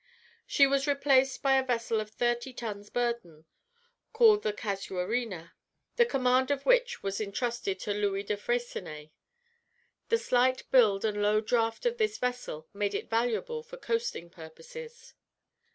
She was replaced by a vessel of thirty tons burden, called the Casuarina, the command of which was entrusted to Louis de Freycinet. The slight build and low draught of this vessel made it valuable for coasting purposes.